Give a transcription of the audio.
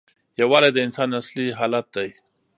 یووالی د انسان اصلي حالت دی.